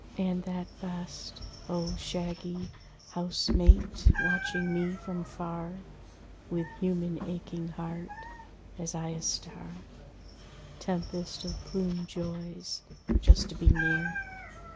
And that best, O shaggy house mate, watching me from far, With human aching heart, as I a star Tempest of plumèd joys, just to be near!